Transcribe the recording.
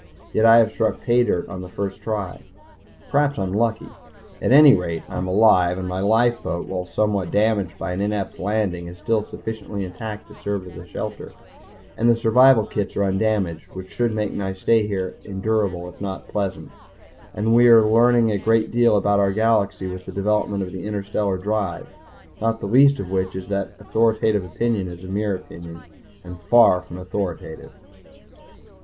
Yet I have struck paydirt on the first try. Perhaps I am lucky. At any rate I am alive, and my lifeboat, while somewhat damaged by an inept landing, is still sufficiently intact to serve as a shelter, and the survival kits are undamaged, which should make my stay here endurable if not pleasant ... and we are learning a great deal about our galaxy with the development of the interstellar drive not the least of which is that authoritative opinion is mere opinion and far from authoritative.